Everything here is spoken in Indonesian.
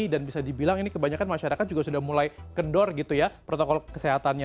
dan bisa dibilang ini kebanyakan masyarakat juga sudah mulai kendor gitu ya protokol kesehatannya